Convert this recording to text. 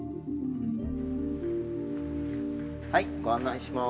はいご案内します。